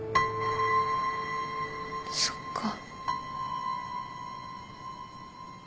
そっか